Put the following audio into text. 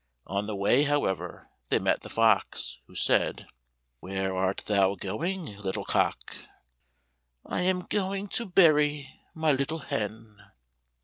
On the way, however, they met the fox, who said, "Where art thou going, little cock?" "I am going to bury my little hen."